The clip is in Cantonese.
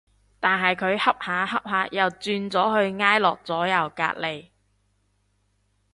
但係佢恰下恰下又轉咗去挨落咗右隔離